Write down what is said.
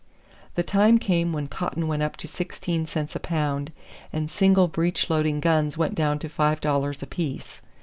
The time came when cotton went up to sixteen cents a pound and single breech loading guns went down to five dollars apiece.